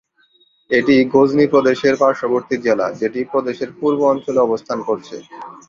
এটি গজনি প্রদেশের পার্শ্ববর্তী জেলা, যেটি প্রদেশের পূর্ব অঞ্চলে অবস্থান করছে।